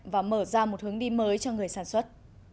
và mở ra một hướng đi mới cho người sản xuất